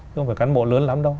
không phải cán bộ lớn lắm đâu